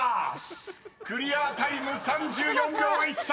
［クリアタイム３４秒１３！］